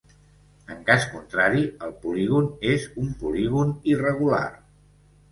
En cas contrari el polígon és un polígon irregular.